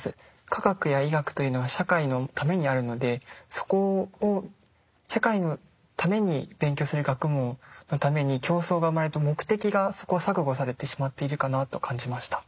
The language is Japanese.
科学や医学というのは社会のためにあるのでそこを社会のために勉強する学問のために競争が生まれて目的が錯誤されてしまっているかなと感じました。